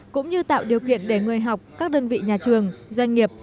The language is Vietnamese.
cũng như tạo điều kiện để người học các đơn vị nhà trường doanh nghiệp